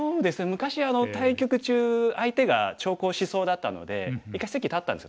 昔対局中相手が長考しそうだったので一回席立ったんです